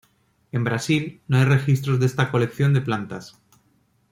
En Brasil, no hay registros de esta colección de plantas.